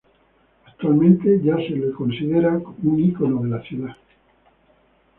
Actualmente ya se lo considera como un ícono de la ciudad.